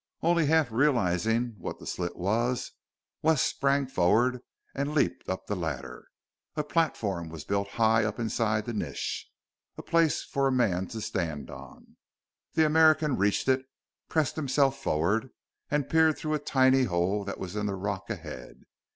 Only half realizing what the slit was, Wes sprang forward and leaped up the ladder. A platform was built high up inside the niche, a place for a man to stand on. The American reached it, pressed himself forward, and peered through a tiny hole that was in the rock ahead.